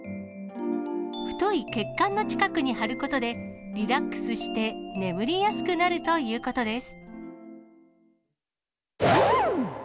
太い血管の近くに貼ることで、リラックスして眠りやすくなるということです。